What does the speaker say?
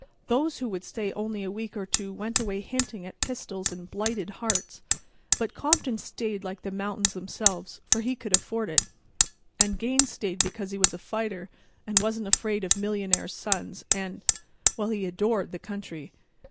Those who could stay only a week or two went away hinting at pistols and blighted hearts. But Compton stayed like the mountains themselves, for he could afford it. And Gaines stayed because he was a fighter and wasn't afraid of millionaire's sons, and—well, he adored the country.